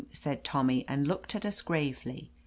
said Tommy, and looked at us gravely.